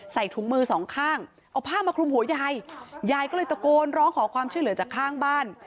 ถุงมือสองข้างเอาผ้ามาคลุมหัวยายยายก็เลยตะโกนร้องขอความช่วยเหลือจากข้างบ้าน